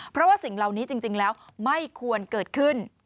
เพราะว่าสิ่งเหล่านี้จริงแล้วไม่ควรเกิดขึ้น